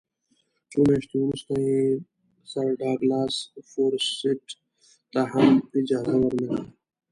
څو میاشتې وروسته یې سر ډاګلاس فورسیت ته هم اجازه ورنه کړه.